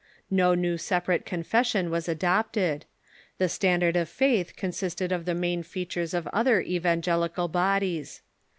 No new separate confession was adopted. The standard of faith consisted of the main features of other evangelical bod ies.